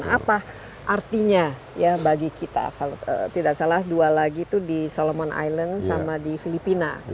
apa artinya ya bagi kita kalau tidak salah dua lagi itu di solomon island sama di filipina